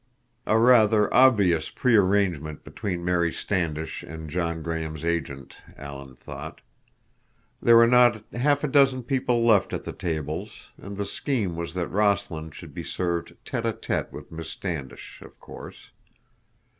A rather obvious prearrangement between Mary Standish and John Graham's agent, Alan thought. There were not half a dozen people left at the tables, and the scheme was that Rossland should be served tête à tête with Miss Standish, of course.